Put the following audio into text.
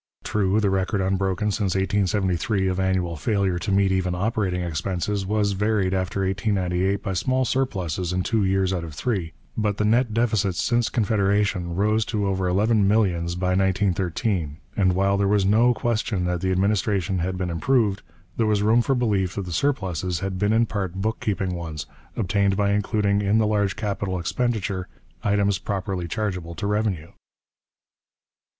True, the record, unbroken since 1873, of annual failure to meet even operating expenses, was varied after 1898 by small surpluses in two years out of three, but the net deficits since Confederation rose to over eleven millions by 1913; and while there was no question that the administration had been improved, there was room for belief that the surpluses had been in part book keeping ones, obtained by including in the large capital expenditure items properly chargeable to revenue.